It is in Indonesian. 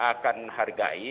saya akan menghargai